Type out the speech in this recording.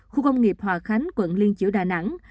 khu công nghiệp hòa khánh quận liên triều đà nẵng